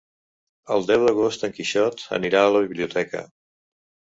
El deu d'agost en Quixot anirà a la biblioteca.